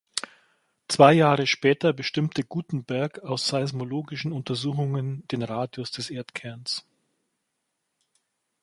Zwei Jahre später bestimmte Gutenberg aus seismologischen Untersuchungen den Radius des Erdkerns.